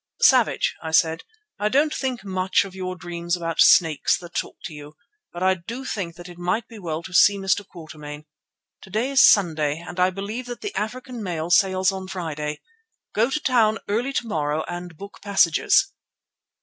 "'Savage,' I said, 'I don't think much of your dreams about snakes that talk to you, but I do think that it might be well to see Mr. Quatermain. To day is Sunday and I believe that the African mail sails on Friday. Go to town early to morrow and book passages.